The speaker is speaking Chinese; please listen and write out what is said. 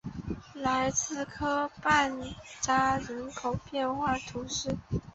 莱兹河畔莱扎人口变化图示